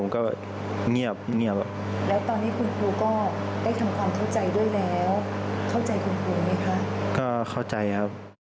ก็เข้าใจครับ